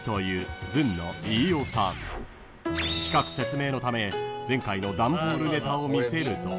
［企画説明のため前回のダンボールネタを見せると］